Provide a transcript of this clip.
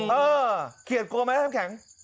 เออเขียดกลัวไหมน้ำแข็ง